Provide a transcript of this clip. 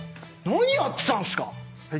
何やってたんすか？